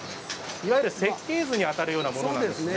いわゆる設計図に当たるものですね。